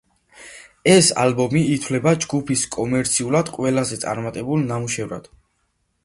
ეს ალბომი ითვლება ჯგუფის კომერციულად ყველაზე წარმატებულ ნამუშევრად.